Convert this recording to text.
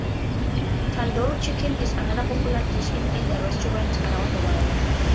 Tandoori chicken is another popular dish in Indian restaurants around the world.